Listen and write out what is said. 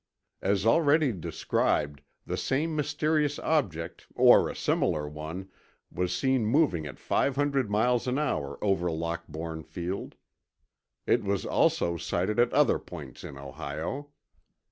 As already described, the same mysterious object, or a similar one, was seen moving at five hundred miles an hour over Lockbourne Field. It was also sighted at other points in Ohio.